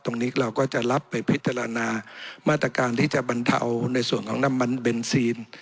เราก็จะรับไปพิจารณามาตรการที่จะบรรเทาในส่วนของน้ำมันเบนซีน